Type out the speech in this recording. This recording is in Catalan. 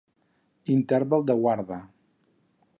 Interval de Guarda.